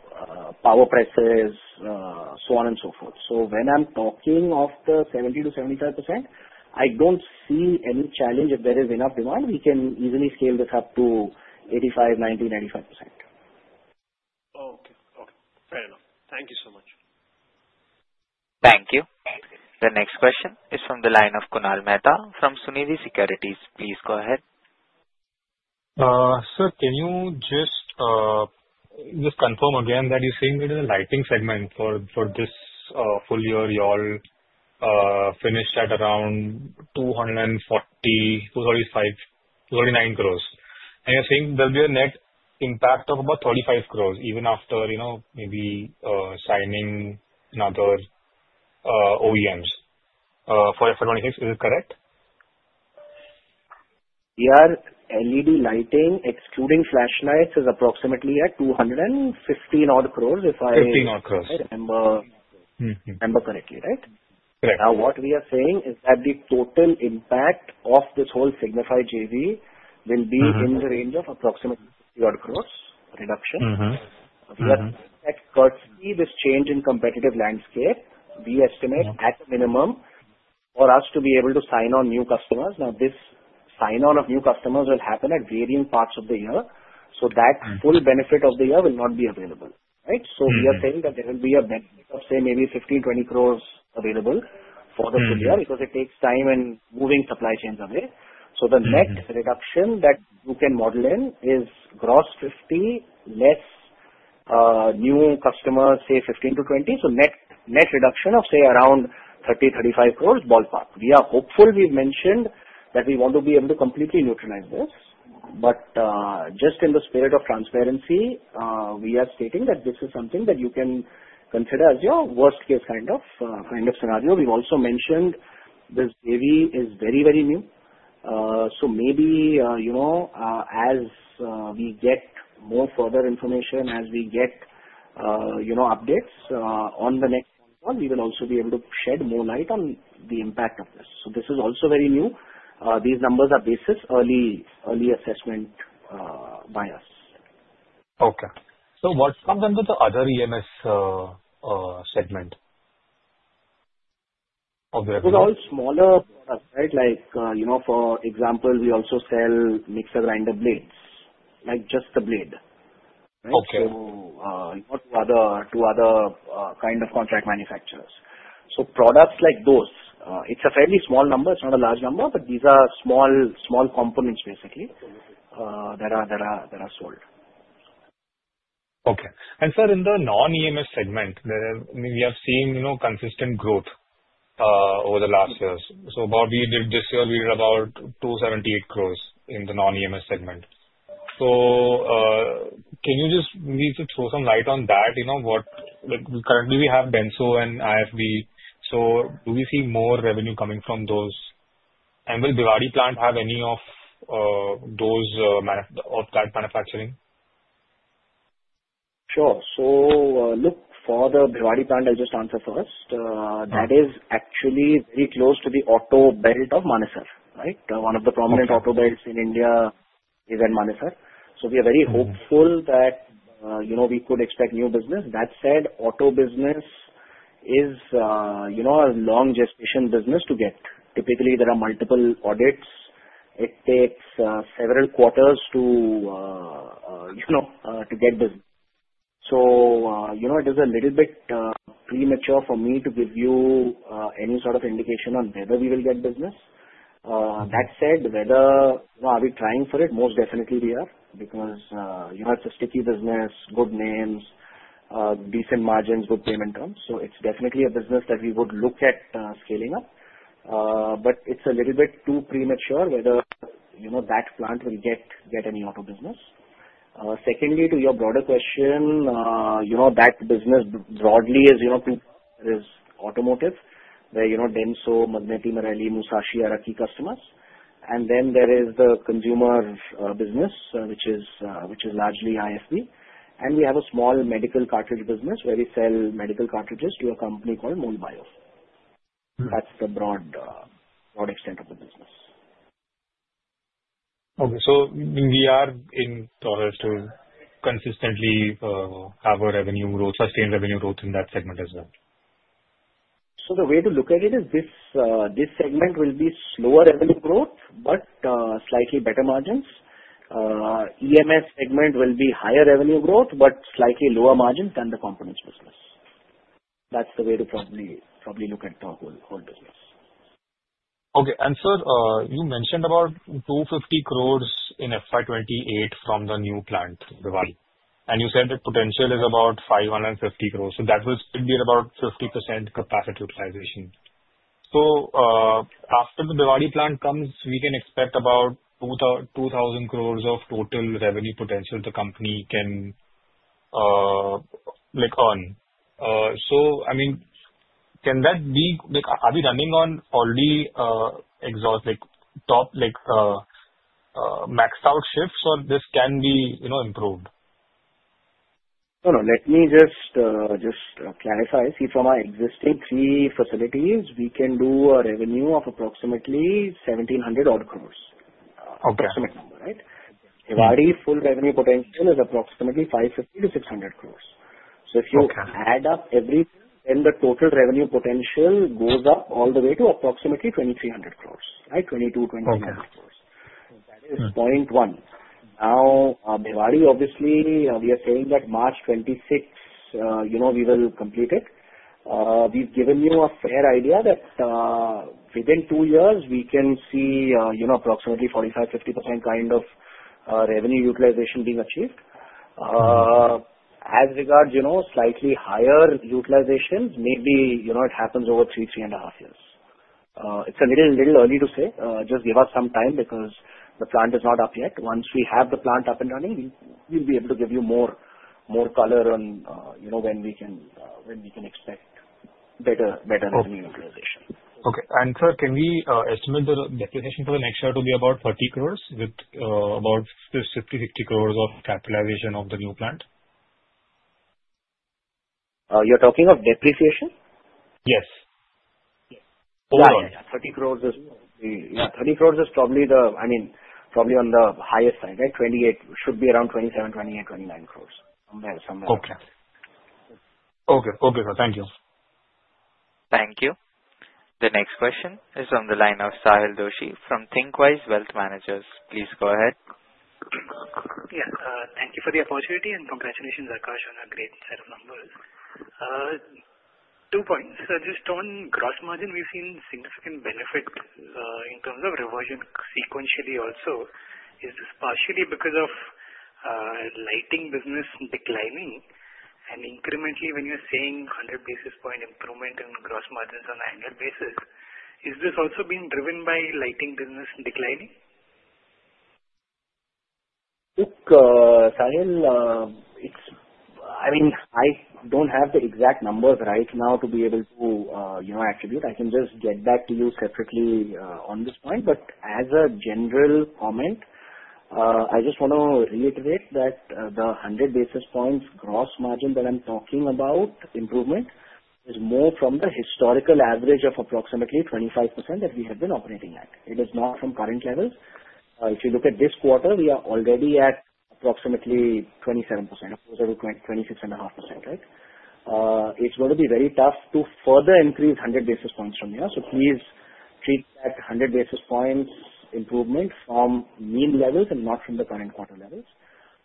power presses, so on and so forth. So when I'm talking of the 70% to 75%, I don't see any challenge. If there is enough demand, we can easily scale this up to 85% to 95%. Okay. Okay. Fair enough. Thank you so much. Thank you. The next question is from the line of Kunal Mehta from Sunidhi Securities. Please go ahead. Sir, can you just confirm again that you're saying that in the lighting segment for this full year, you all finished at around 240, 235, 239 crores? And you're saying there'll be a net impact of about 35 crores even after, you know, maybe signing another OEMs for FL26. Is it correct? Yeah. LED lighting, excluding flashlights, is approximately at 215 odd crores if I remember correctly, right? Correct. Now, what we are saying is that the total impact of this whole Signify JV will be in the range of approximately 50 odd crores reduction. We estimate that this change in competitive landscape, we estimate at a minimum, for us to be able to sign on new customers. Now, this sign-on of new customers will happen at varying parts of the year. So that full benefit of the year will not be available, right? So we are saying that there will be a benefit of, say, maybe 15 to 20 crores available for the full year because it takes time and moving supply chains away. So the net reduction that you can model in is gross 50 less new customers, say, 15 to 20. So net reduction of, say, around 30 to 35 crores ballpark. We are hopeful. We've mentioned that we want to be able to completely neutralize this. But just in the spirit of transparency, we are stating that this is something that you can consider as your worst-case kind of scenario. We've also mentioned this JV is very, very new. So maybe, you know, as we get more further information, as we get, you know, updates on the next one, we will also be able to shed more light on the impact of this. So this is also very new. These numbers are based on early assessment by us. Okay. So what comes under the other EMS segment of the revenue? Those are all smaller products, right? Like, you know, for example, we also sell mixer grinder blades, like just the blade, right? So to other kind of contract manufacturers. So products like those, it's a fairly small number. It's not a large number, but these are small components, basically, that are sold. Okay. And, sir, in the non-EMS segment, we have seen, you know, consistent growth over the last years. So what we did this year, we did about 278 crores in the non-EMS segment. So can you just maybe throw some light on that? You know, currently we have Denso and IFB. So do we see more revenue coming from those? And will Bhiwadi plant have any of that manufacturing? Sure. So, look, for the Bhiwadi plant, I'll just answer first. That is actually very close to the auto belt of Manesar, right? One of the prominent auto belts in India is in Manesar. So we are very hopeful that, you know, we could expect new business. That said, auto business is, you know, a long gestation business to get. Typically, there are multiple audits. It takes several quarters to, you know, to get business. So, you know, it is a little bit premature for me to give you any sort of indication on whether we will get business. That said, whether are we trying for it? Most definitely we are because, you know, it's a sticky business, good names, decent margins, good payment terms. So it's definitely a business that we would look at scaling up. But it's a little bit too premature whether, you know, that plant will get any auto business. Secondly, to your broader question, you know, that business broadly is, you know, two areas: automotive, where, you know, Denso, Magneti Marelli, Musashi, are our key customers. And then there is the consumer business, which is largely IFB. And we have a small medical cartridge business where we sell medical cartridges to a company called Molbio. That's the broad extent of the business. Okay. So we are in. In order to consistently have a revenue growth, sustained revenue growth in that segment as well? So the way to look at it is this segment will be slower revenue growth, but slightly better margins. EMS segment will be higher revenue growth, but slightly lower margins than the components business. That's the way to probably look at the whole business. Okay. And, sir, you mentioned about 250 crores in FY28 from the new plant, Bhiwadi. And you said that potential is about 550 crores. So that will still be about 50% capacity utilization. So after the Bhiwadi plant comes, we can expect about 2,000 crores of total revenue potential the company can earn. So, I mean, can that be? Are we running on already exhaust, like top maxed out shifts, or this can be improved? No, no. Let me just clarify. See, from our existing three facilities, we can do a revenue of approximately 1,700 odd crores, approximate number, right? Bhiwadi full revenue potential is approximately 550 to 600 crores. So if you add up everything, then the total revenue potential goes up all the way to approximately 2,300 crores, right? 22 to 23 crores. That is point one. Now, Bhiwadi, obviously, we are saying that March 2026, you know, we will complete it. We've given you a fair idea that within two years, we can see, you know, approximately 45% to 50% kind of revenue utilization being achieved. As regards, you know, slightly higher utilization, maybe, you know, it happens over three, three and a half years. It's a little early to say. Just give us some time because the plant is not up yet. Once we have the plant up and running, we'll be able to give you more color on, you know, when we can expect better revenue utilization. Okay. Sir, can we estimate the depreciation for the next year to be about 30 crores with about 50 to 60 crores of capitalization of the new plant? You're talking of depreciation? Yes. Overall. Yeah. Yeah. 30 crores is probably the, I mean, probably on the highest side, right? 28 should be around INR 27to 29 crores. Somewhere, somewhere. Okay. Okay. Okay. Thank you. Thank you. The next question is from the line of Sahil Doshi from Thinqwise Wealth Managers. Please go ahead. Yes. Thank you for the opportunity and congratulations, Akash, on a great set of numbers. Two points. Just on gross margin, we've seen significant benefit in terms of reversion sequentially also. Is this partially because of lighting business declining? Incrementally, when you're saying 100 basis point improvement in gross margins on an annual basis, is this also being driven by lighting business declining? Look, Sahil, it's, I mean, I don't have the exact numbers right now to be able to, you know, attribute. I can just get back to you separately on this point. But as a general comment, I just want to reiterate that the 100 basis points gross margin that I'm talking about, improvement, is more from the historical average of approximately 25% that we have been operating at. It is not from current levels. If you look at this quarter, we are already at approximately 27%, closer to 26.5%, right? It's going to be very tough to further increase 100 basis points from here. So please treat that 100 basis points improvement from mean levels and not from the current quarter levels.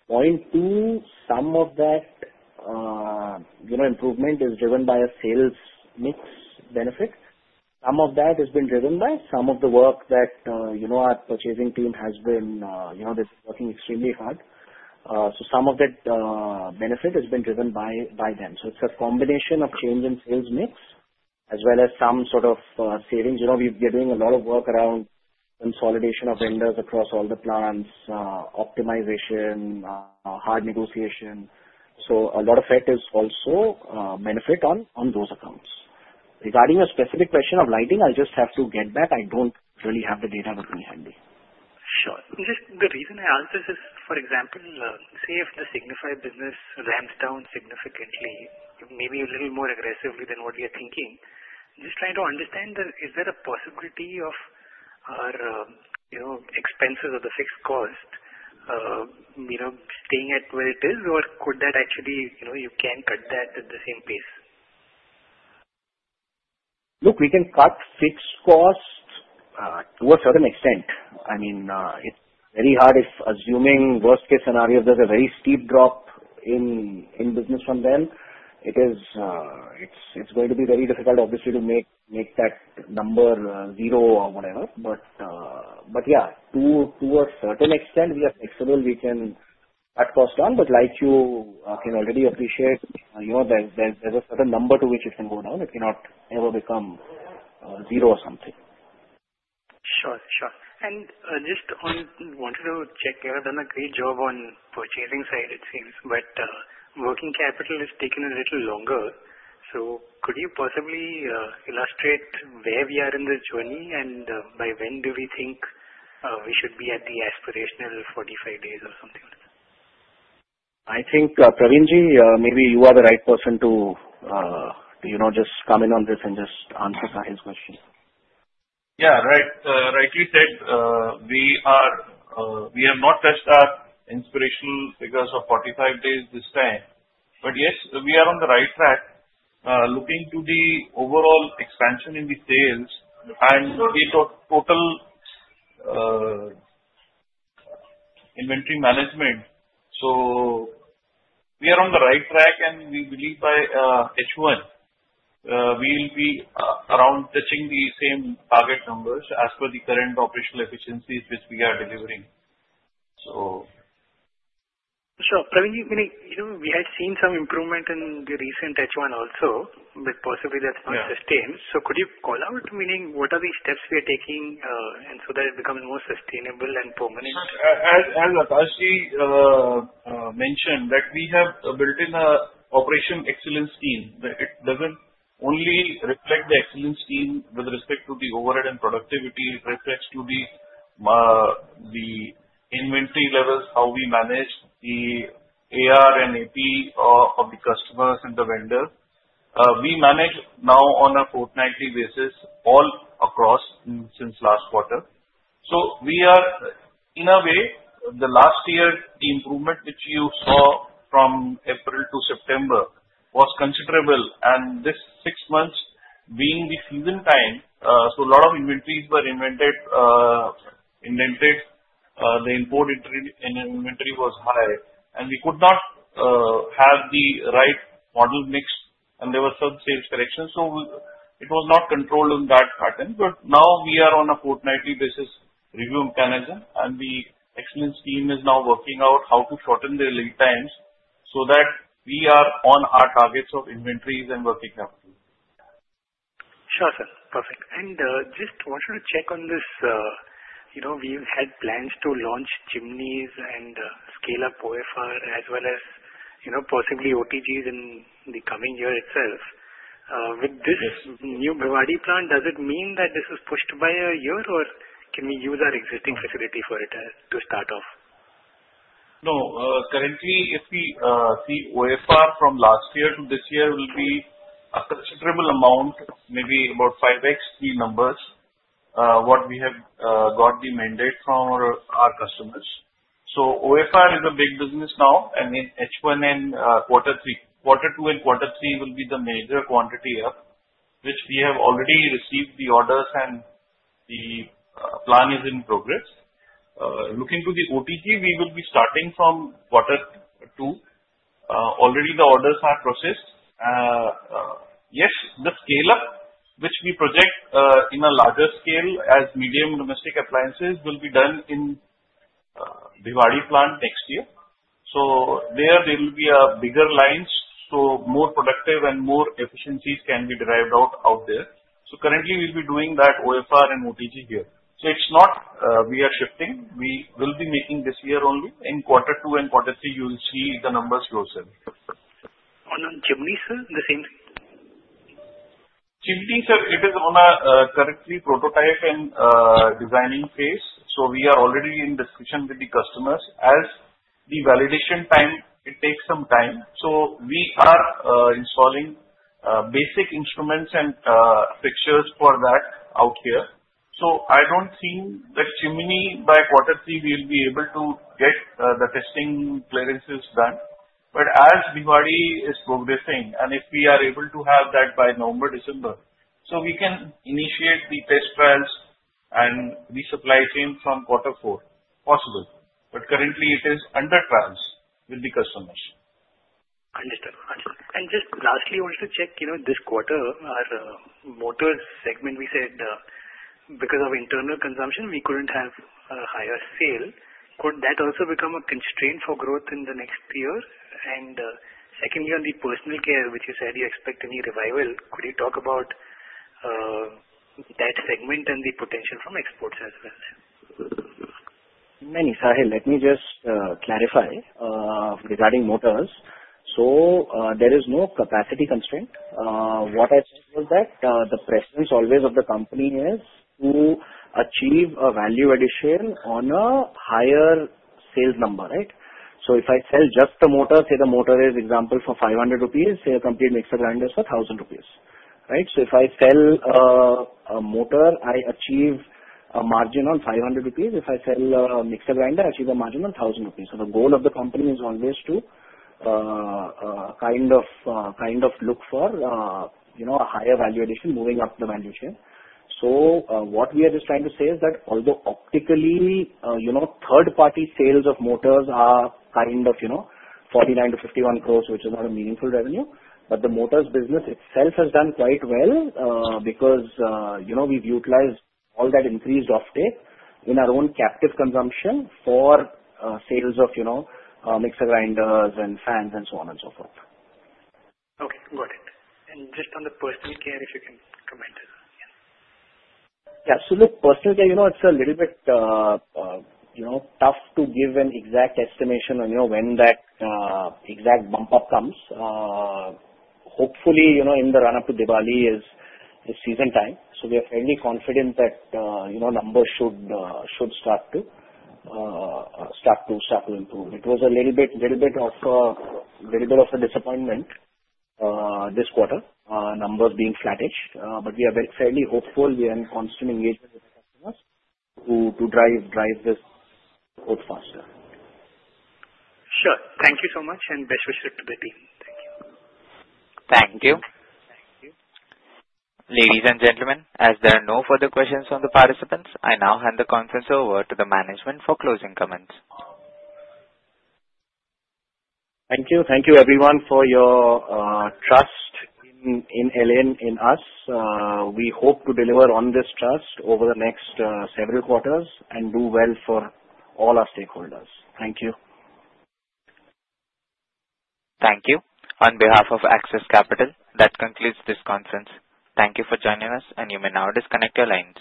Point two, some of that, you know, improvement is driven by a sales mix benefit. Some of that has been driven by some of the work that, you know, our purchasing team has been, you know, they're working extremely hard. So some of that benefit has been driven by them. So it's a combination of change in sales mix as well as some sort of savings. You know, we're doing a lot of work around consolidation of vendors across all the plants, optimization, hard negotiation. So a lot of it is also benefit on those accounts. Regarding a specific question of lighting, I'll just have to get back. I don't really have the data with me handy. Sure. Just the reason I ask this is, for example, say if the Signify business ramps down significantly, maybe a little more aggressively than what we are thinking, just trying to understand that is there a possibility of our, you know, expenses or the fixed cost, you know, staying at where it is, or could that actually, you know, you can cut that at the same pace? Look, we can cut fixed cost to a certain extent. I mean, it's very hard if, assuming worst-case scenario, there's a very steep drop in business from then. It is, it's going to be very difficult, obviously, to make that number zero or whatever. But yeah, to a certain extent, we are flexible. We can cut cost down. But like you can already appreciate, you know, there's a certain number to which it can go down. It cannot ever become zero or something. Sure. Sure. And just on that, I wanted to check. You have done a great job on the purchasing side, it seems. But working capital has taken a little longer. So could you possibly illustrate where we are in this journey and by when do we think we should be at the aspirational 45 days or something like that? I think, Praveen, maybe you are the right person to, you know, just comment on this and just answer Sahil's question. Yeah. Right. Rightly said. We have not touched our aspirational figures of 45 days this time. But yes, we are on the right track looking to the overall expansion in the sales and total inventory management. So we are on the right track, and we believe by H1, we will be around touching the same target numbers as per the current operational efficiencies which we are delivering. So. Sure. Praveen, meaning, you know, we had seen some improvement in the recent H1 also, but possibly that's not sustained. So could you call out, meaning, what are the steps we are taking so that it becomes more sustainable and permanent? As Akash mentioned, that we have built in an operational excellence scheme. It doesn't only reflect the excellence scheme with respect to the overhead and productivity. It reflects to the inventory levels, how we manage the AR and AP of the customers and the vendors. We manage now on a fortnightly basis all across since last quarter. So we are, in a way, the last year, the improvement which you saw from April to September was considerable. And this six months being the season time, so a lot of inventories were inducted, the import inventory was high. We could not have the right model mix, and there were some sales corrections. So it was not controlled in that pattern. But now we are on a fortnightly basis review mechanism, and the excellence team is now working out how to shorten the lead times so that we are on our targets of inventories and working capital. Sure, sir. Perfect. And just wanted to check on this. You know, we had plans to launch chimneys and scale up OFR as well as, you know, possibly OTGs in the coming year itself. With this new Bhiwadi plant, does it mean that this is pushed by a year, or can we use our existing facility for it to start off? No. Currently, if we see OFR from last year to this year, it will be a considerable amount, maybe about 5X the numbers what we have got the mandate from our customers. So OFR is a big business now, and in H1 and quarter three. Quarter two and quarter three will be the major quantity up, which we have already received the orders, and the plan is in progress. Looking to the OTG, we will be starting from quarter two. Already, the orders are processed. Yes, the scale-up, which we project in a larger scale as medium domestic appliances, will be done in Bhiwadi plant next year. So there, there will be bigger lines, so more productive and more efficiencies can be derived out there. So currently, we'll be doing that OFR and OTG here. So it's not we are shifting. We will be making this year only. In quarter two and quarter three, you will see the numbers yourself. On chimneys, sir, the same? Chimneys, sir, it is currently on a prototype and designing phase. So we are already in discussion with the customers. As the validation time, it takes some time. So we are installing basic instruments and fixtures for that out here. So I don't think that chimney by quarter three, we'll be able to get the testing clearances done. But as Bhiwadi is progressing, and if we are able to have that by November, December, so we can initiate the test trials and the supply chain from quarter four, possible. But currently, it is under trials with the customers. Understood. Understood. And just lastly, I wanted to check, you know, this quarter, our motor segment, we said because of internal consumption, we couldn't have a higher sale. Could that also become a constraint for growth in the next year? And secondly, on the personal care, which you said you expect a revival, could you talk about that segment and the potential from exports as well? Sahil, let me just clarify regarding motors. So there is no capacity constraint. What I said was that the preference always of the company is to achieve a value addition on a higher sales number, right? So if I sell just the motor, say the motor is, example, for 500 rupees, say a complete mixer grinder is for 1,000 rupees, right? So the goal of the company is always to kind of look for, you know, a higher value addition, moving up the value chain. What we are just trying to say is that although optically, you know, third-party sales of motors are kind of, you know, 49 to 51 crores, which is not a meaningful revenue, but the motors business itself has done quite well because, you know, we've utilized all that increased offtake in our own captive consumption for sales of, you know, mixer grinders and fans and so on and so forth. Okay. Got it. And just on the personal care, if you can comment. Yeah. So look, personal care, you know, it's a little bit, you know, tough to give an exact estimation on, you know, when that exact bump-up comes. Hopefully, you know, in the run-up to Diwali is the season time. So we are fairly confident that, you know, numbers should start to improve. It was a little bit of a little bit of a disappointment this quarter, numbers being flattish. But we are fairly hopeful. We are in constant engagement with the customers to drive this growth faster. Sure. Thank you so much. And best wishes to Elin. Thank you. Thank you. Ladies and gentlemen, as there are no further questions from the participants, I now hand the conference over to the management for closing comments. Thank you. Thank you, everyone, for your trust in Elin, in us. We hope to deliver on this trust over the next several quarters and do well for all our stakeholders. Thank you. Thank you. On behalf of Axis Capital, that concludes this conference. Thank you for joining us, and you may now disconnect your lines.